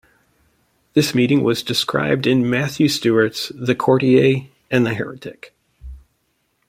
This meeting was described in Matthew Stewart's "The Courtier and the Heretic".